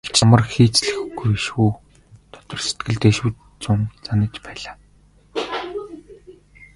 "Тэгж ч амар хийцлүүлэхгүй шүү" дотор сэтгэлдээ шүд зуун занаж байлаа.